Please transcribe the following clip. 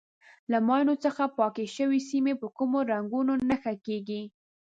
له ماینو څخه پاکې شوې سیمې په کومو رنګونو نښه کېږي.